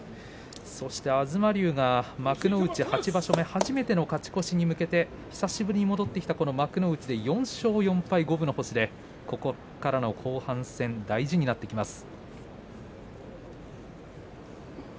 そして東龍が幕内８場所目初めての勝ち越しに向けて久しぶりに戻ってきた幕内で４勝４敗、五分の星でここからの後半戦大事になってきます。